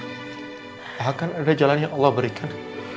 akan ada jalan yang allah berikan